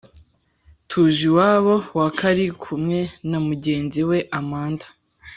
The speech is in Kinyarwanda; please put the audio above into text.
tuje iwabo wa karikumwe namugenzi we amanda,